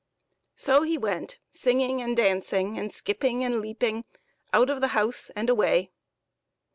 So he went singing and dan'cing, and skipping and leaping, out of the house and away.